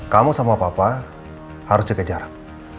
kamu sama papa harus jaga jarak